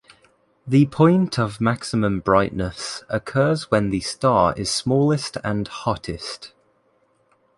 The point of maximum brightness occurs when the star is smallest and hottest.